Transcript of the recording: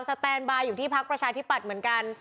แตนบายอยู่ที่พักประชาธิปัตย์เหมือนกัน